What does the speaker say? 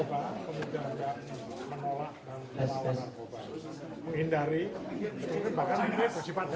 kemudian menolak dan melawan narkoba menghindari mungkin bahkan lebih bersifat dakwa